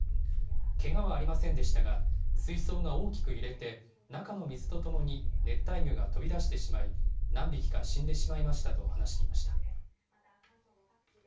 けがはありませんでしたが、水槽が大きく揺れて、中の水とともに熱帯魚が飛び出してしまい、何匹か死んでしまいましたと話していました。